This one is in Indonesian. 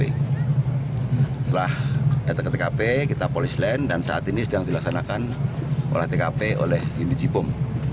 setelah datang ke tkp kita polis lain dan saat ini sedang dilaksanakan oleh tkp oleh indici bom